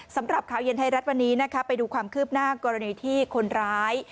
สำหรับข่าวเย็นไทยรัฐวันนี้นะคะไปดูความคืบหน้ากรณีที่คนร้าย